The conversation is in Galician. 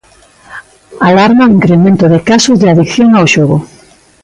Alarma o incremento de casos de adicción ao xogo.